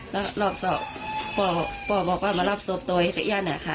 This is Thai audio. แล้วรอบสองพ่อพ่อบอกว่ามารับโทรศัพท์ตัวเอง